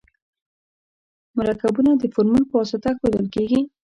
مرکبونه د فورمول په واسطه ښودل کیږي.